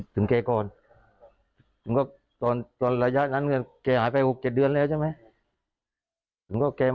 พระคนละวัดนะฮะตัดหน้ากันเองนะเหรอครับ